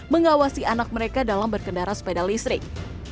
mengawasi anak mereka dalam berkendara sepeda listrik